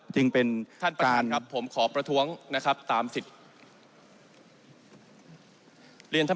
จึงเป็นการ